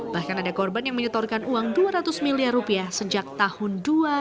bahkan ada korban yang menyetorkan uang dua ratus miliar rupiah sejak tahun dua ribu dua